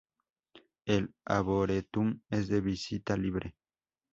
El Arboretum es de visita libre.